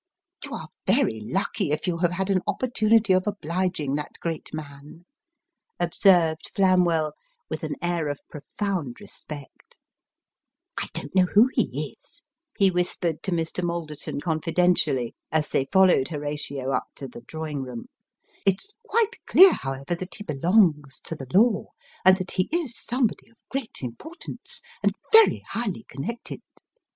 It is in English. " You are very lucky, if you have had an opportunity of obliging that great man," observed Flamwell, with an air of profound respect. " I don't know who he is," he whispered to Mr. Malderton, con fidentially, as they followed Horatio up to the drawing room. " It's quite clear, however, that he belongs to the law, and that he is some body of great importance, and very highly connected."